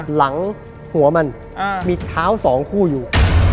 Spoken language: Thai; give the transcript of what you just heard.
หลังหัวมันมีเท้าสองคู่อยู่